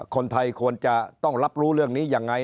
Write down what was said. คนไทยควรจะต้องรับรู้เรื่องนี้ยังไง